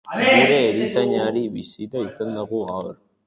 Gure erizainaren bisita izan dugu gaur.